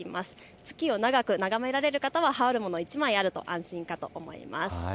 月を長く眺められる方は羽織るものが１枚あると安心だと思います。